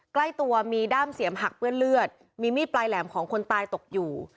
ใกล้ตัวมีด้ามเสียมหักเปื้อนเลือดมีมีดปลายแหลมของคนตายตกอยู่